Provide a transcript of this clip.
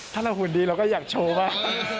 ถ้าเราหุ่นดีเราก็อยากโชว์บ้าง